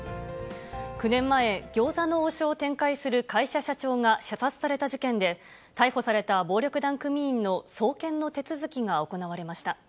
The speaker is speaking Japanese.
９年前、餃子の王将を展開する会社社長が射殺された事件で、逮捕された暴力団組員の送検の手続きが行われました。